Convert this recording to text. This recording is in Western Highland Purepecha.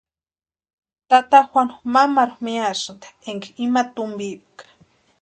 Tata Juanu mamaru miasïnti énka ima tumpiepka.